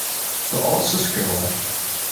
De âldste skriuwer.